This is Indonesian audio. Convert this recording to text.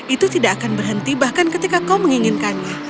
itu tidak akan berhenti bahkan ketika kau menginginkannya